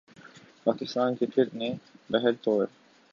Pakistan cricket نے بہرطور